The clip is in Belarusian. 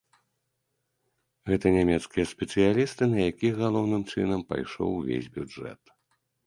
Гэта нямецкія спецыялісты, на якіх, галоўным чынам, пайшоў увесь бюджэт.